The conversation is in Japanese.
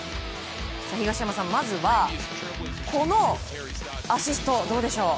東山さん、まずはこのアシストどうでしょう。